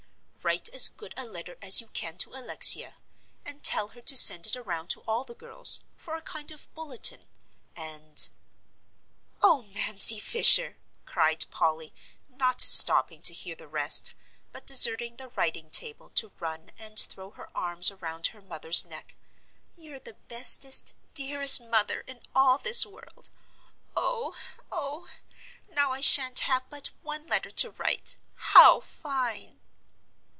Write as good a letter as you can to Alexia, and tell her to send it around to all the girls, for a kind of a bulletin, and " "Oh, Mamsie Fisher," cried Polly, not stopping to hear the rest, but deserting the writing table to run and throw her arms around her mother's neck, "you're the bestest, dearest mother in all this world oh oh! Now I sha'n't have but one letter to write! How fine!"